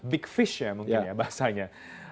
big fish ya mungkin ya bahasanya